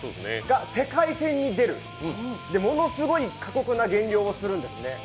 世界戦に出る、ものすごく過酷な減量をするんですね。